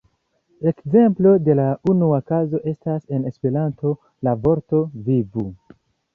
Ekzemplo de la unua kazo estas en Esperanto la vorto "vivu!